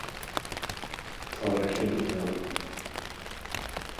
تارکه دنیا